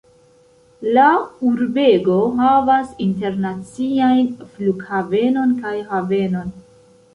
La urbego havas internaciajn flughavenon kaj havenon.